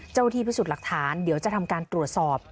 ที่พิสูจน์หลักฐานเดี๋ยวจะทำการตรวจสอบ